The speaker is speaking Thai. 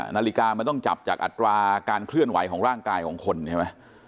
นาฬิกามันต้องจับจากอัตราการเคลื่อนไหวของร่างกายของคนใช่ไหม